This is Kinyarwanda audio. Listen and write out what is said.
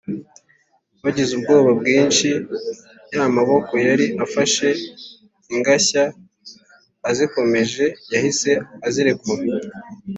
bagize ubwoba bwinshi ya maboko yari afashe ingashya azikomeje, yahise azirekura